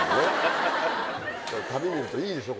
旅見るといいでしょ？